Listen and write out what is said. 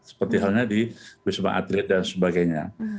seperti halnya di wisma atlet dan sebagainya